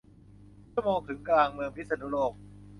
ชั่วโมงถึงกลางเมืองพิษณุโลก